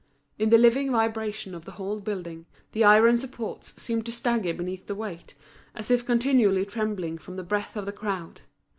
In the living vibration of the whole building, the iron supports seemed to stagger beneath the weight, as if continually trembling from the breath of the crowd.